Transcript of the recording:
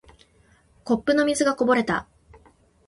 コップの水がこぼれた。